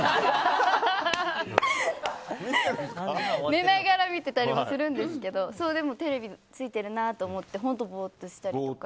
寝ながら見てたりとかもするんですけどテレビがついてるなと思ってボーっとしたりとか。